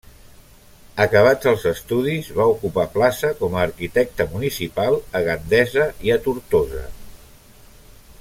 Acabats els estudis, va ocupar plaça com a arquitecte municipal a Gandesa i a Tortosa.